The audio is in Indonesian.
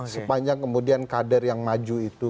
sepanjang kemudian kader yang maju itu